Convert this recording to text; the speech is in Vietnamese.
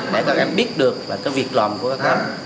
để các em biết được việc lòng của các em